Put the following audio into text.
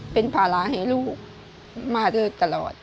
เป็นภาระให้ลูกมาโดยตลอด